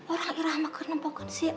orang ira mah kenampokan sih